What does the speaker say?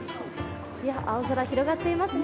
青空、広がっていますね。